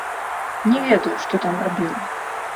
Не ведаю, што там рабіла.